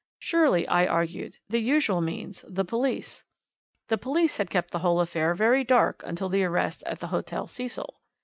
"Surely," I argued, "the usual means, the police " "The police had kept the whole affair very dark until the arrest at the Hotel Cecil.